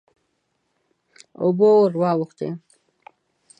اوبه ور واوښتې.